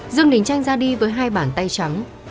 dương đình tranh ra đi với hai bản tay trắng